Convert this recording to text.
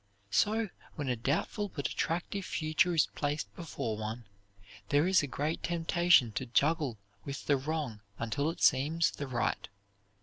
So when a doubtful but attractive future is placed before one, there is a great temptation to juggle with the wrong until it seems the right.